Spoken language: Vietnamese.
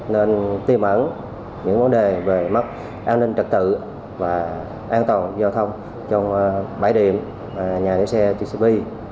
nên tiêm ẩn những vấn đề về mắc an ninh trật tự và an toàn giao thông trong bãi điểm nhà xe tcb